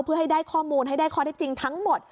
เพื่อให้ได้ข้อมูลให้ได้ข้อได้จริงทั้งหมด